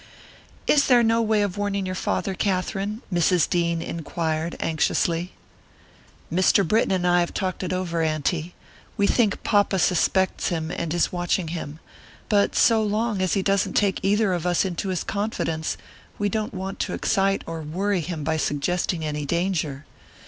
"Is there no way of warning your father, Katherine?" Mrs. Dean inquired, anxiously. "Mr. Britton and I have talked it over, auntie. We think papa suspects him and is watching him, but so long as he doesn't take either of us into his confidence we don't want to excite or worry him by suggesting any danger.